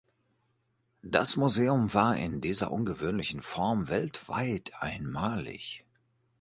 Das Museum war in dieser ungewöhnlichen Form weltweit einmalig.